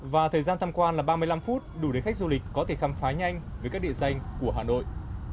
và thời gian tham quan là ba mươi năm phút đủ để khách du lịch có thể khám phá nhanh với các địa danh của hà nội